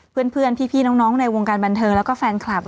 เพื่อนพี่น้องในวงการบันเทิงแล้วก็แฟนคลับ